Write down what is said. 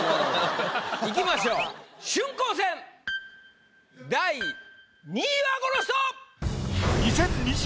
いきましょう春光戦第２位はこの人！